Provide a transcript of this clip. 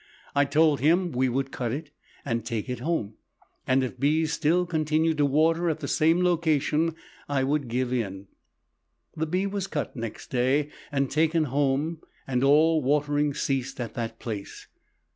I told him we would cut it and take it home, and if bees still continued to water at the same location I would give in. The bee was cut next day and taken home and all watering ceased at that place.